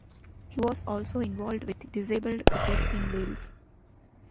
He was also involved with disabled cricket in Wales.